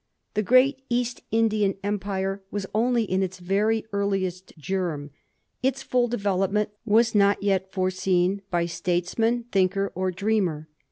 The great East In dian Empire was only in its very earliest germ ; its ftiU development was not yet foreseen by statesman, thinker, or dreamer.